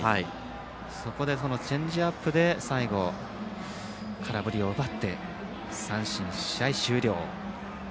そこで、チェンジアップで最後、空振りを奪って三振、試合終了。